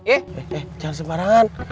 eh eh jangan sembarangan